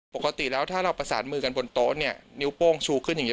ปกติแล้วถ้าเราประสานมือกันบนโต๊ะเนี่ยนิ้วโป้งชูขึ้นอย่างนี้